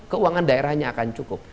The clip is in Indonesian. keuangan daerahnya akan cukup